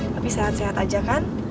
tapi sehat sehat aja kan